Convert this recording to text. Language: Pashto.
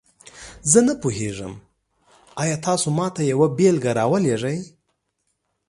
زه نه پوهیږم، آیا تاسو ماته یوه بیلګه راولیږئ؟